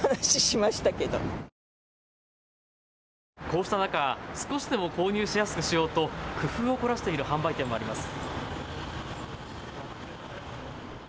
こうした中少しでも購入しやすくしようと工夫を凝らしている販売店もあります。